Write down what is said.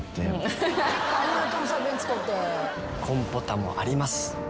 「コンポタもあります」